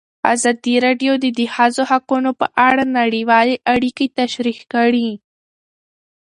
ازادي راډیو د د ښځو حقونه په اړه نړیوالې اړیکې تشریح کړي.